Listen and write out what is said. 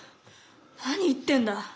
何言ってんだ！